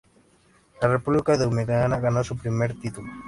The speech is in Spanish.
La República Dominicana ganó su primer título.